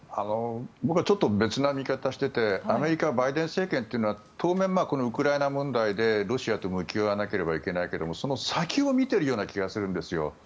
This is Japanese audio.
僕はちょっと別な見方しててアメリカ、バイデン政権は当面、ウクライナ問題でロシアと向き合わなければいけないけれどもその先を見ているような気がするんですよ。